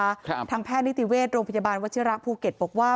ทางแพทย์นิติเวชโรงพยาบาลวัชิระภูเก็ตบอกว่า